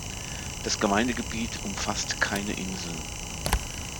Das Gemeindegebiet umfasst keine Inseln.